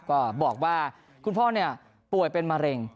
ก็บอกว่าคุณพ่อป่วยเป็นมะเร็ง